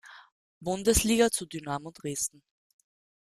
Bundesliga zu Dynamo Dresden.